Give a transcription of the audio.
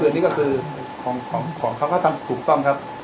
อันนี้ก็คือของเขาก็ทำถูกต้องครับ